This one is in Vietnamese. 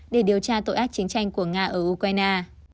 để điều tra tội ác chiến tranh của nga ở ukraine